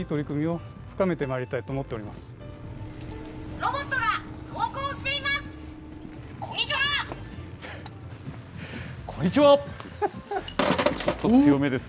ロボットが走行しています。